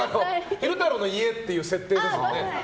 昼太郎の家っていう設定ですので。